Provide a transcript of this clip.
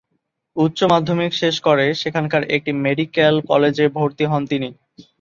উচ্চ-মাধ্যমিক শেষ করে সেখানকার একটি মেডিক্যাল কলেজে ভর্তি হন তিনি।